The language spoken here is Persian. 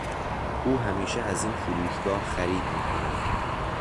او همیشه از این فروشگاه خرید میکند.